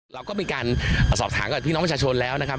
เราก็มีการสอบถามกับพี่น้องประชาชนแล้วนะครับ